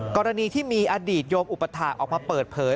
กรณีที่มีอดีตโยมอุปถาคออกมาเปิดเผย